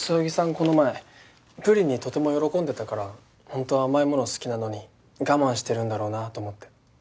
この前プリンにとても喜んでたから本当は甘いもの好きなのに我慢してるんだろうなと思って。